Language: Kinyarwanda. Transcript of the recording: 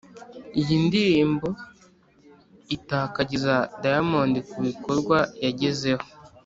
iyi ndirimbo itakagiza diamond ku bikorwa yagezeho